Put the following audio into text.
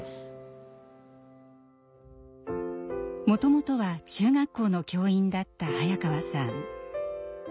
もともとは中学校の教員だった早川さん。